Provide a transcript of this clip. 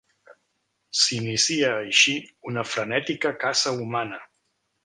S'inicia així una frenètica caça humana.